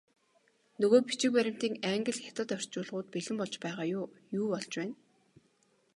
Нөгөө бичиг баримтын англи, хятад орчуулгууд бэлэн болж байгаа юу, юу болж байна?